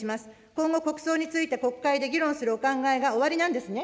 今後、国葬について、国会で議論するお考えがおありなんですね。